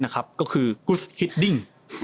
ก็คือกุสฮิตดิ้ง